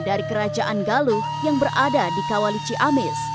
dari kerajaan galuh yang berada di kawalici amis